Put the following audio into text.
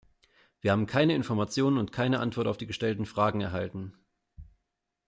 Wir haben keine Informationen und keine Antwort auf die gestellten Fragen erhalten.